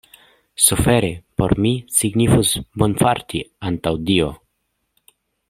Suferi por mi signifus bonfarti antaŭ Dio.